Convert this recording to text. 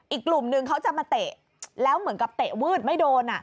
อีกกลุ่มนึงเขาจะมาเตะแล้วเหมือนกับเตะวืดไม่โดน